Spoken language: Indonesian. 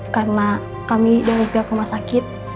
karena kami dari pihak kemas sakit